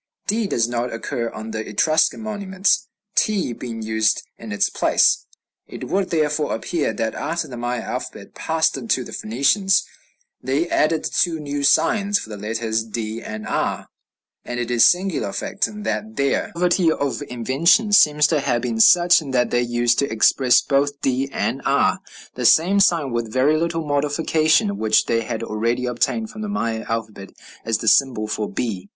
D does not occur on the Etruscan monuments, t being used in its place. It would, therefore, appear that after the Maya alphabet passed to the Phoenicians they added two new signs for the letters d and r; and it is a singular fact that their poverty of invention seems to have been such that they used to express both d and r, the same sign, with very little modification, which they had already obtained from the Maya alphabet as the symbol for b.